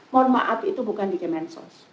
mohon maaf itu bukan di kemensos